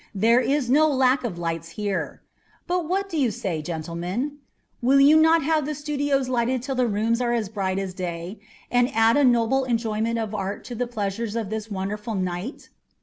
There is no lack of lights here. What do you say, gentlemen? Will you not have the studios lighted till the rooms are as bright as day, and add a noble enjoyment of art to the pleasures of this wonderful night?"